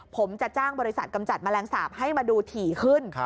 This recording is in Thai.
ผมจะจ้างบริษัทกำจัดแมลงสาปให้มาดูถี่ขึ้น